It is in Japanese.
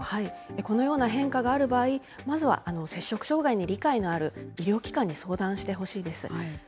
このような変化がある場合、まずは摂食障害に理解のある医療機関に相談してほしいです。